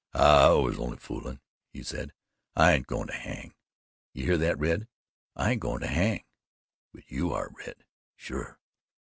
"I was only foolin'," he said, "I ain't goin' to hang. You hear that, Red? I ain't goin' to hang but you are, Red sure.